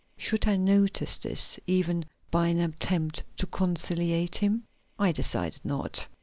Should I notice this, even by an attempt to conciliate him? I decided not.